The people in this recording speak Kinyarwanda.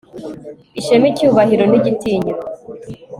ishema, icyubahiro n'igitinyiro